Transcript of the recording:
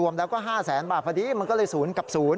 พอดีมันก็เลยศูนย์กับศูนย์